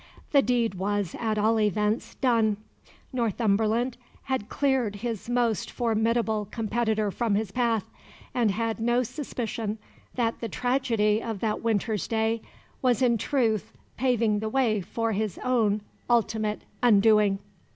The deed was, at all events, done; Northumberland had cleared his most formidable competitor from his path, and had no suspicion that the tragedy of that winter's day was in truth paving the way for his own ultimate undoing.